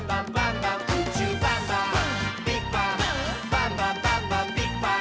「バンバンバンバンビッグバン！」